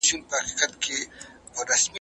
حجرې ته یم راغلې طالب جان مي پکښي نسته